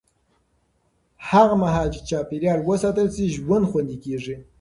هغه مهال چې چاپېریال وساتل شي، ژوند خوندي کېږي.